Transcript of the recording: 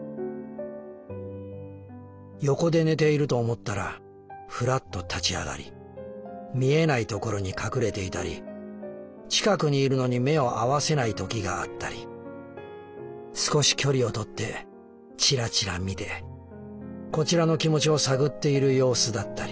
横で寝ていると思ったらふらっと立ち上がり見えないところに隠れていたり近くにいるのに目を合わせない時があったり少し距離を取ってチラチラ見てこちらの気持ちを探っている様子だったり。